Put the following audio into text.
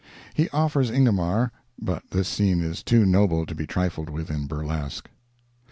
He offers Ingomar—but this scene is too noble to be trifled with in burlesque.